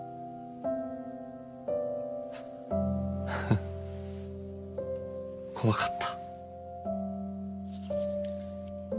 フッ怖かった。